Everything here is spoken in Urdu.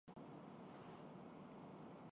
سَب کُچھ وہی